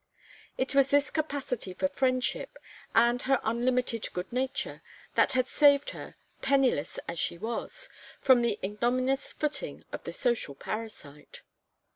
It was this capacity for friendship, and her unlimited good nature, that had saved her, penniless as she was, from the ignominious footing of the social parasite.